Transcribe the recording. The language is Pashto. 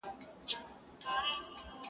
خو درد بې ځوابه پاتې کيږي تل.